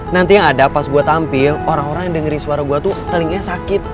nanti yang ada pas gue tampil orang orang yang dengerin suara gue tuh telinga sakit